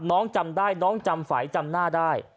เน้องจำได้เน้องจำฝัยจำหน้าได้